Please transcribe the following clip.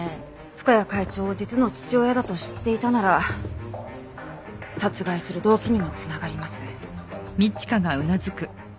深谷会長を実の父親だと知っていたなら殺害する動機にも繋がります。